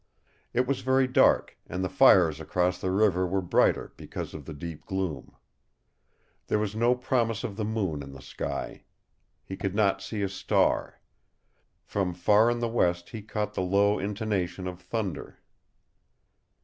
It was very dark, and the fires across the river were brighter because of the deep gloom. There was no promise of the moon in the sky. He could not see a star. From far in the west he caught the low intonation of thunder.